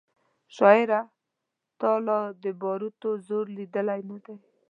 شاعره تا لا د باروتو زور لیدلی نه دی